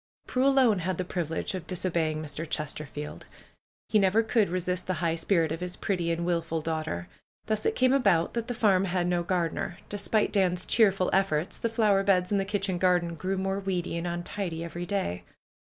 Prue alone had the privilege of disobeying Mr. Chesterfield. He never could resist the high spirit of his pretty and wilful daughter. Thus it came about that the farm had no gardener. Despite Dan's cheerful efforts the flower beds and the kitchen garden grew more weedy and untidy every day.